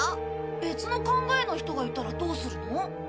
別の考えの人がいたらどうするの？